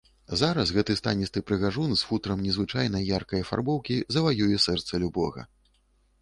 Зараз гэты станісты прыгажун з футрам незвычайнай яркай афарбоўкі заваюе сэрца любога.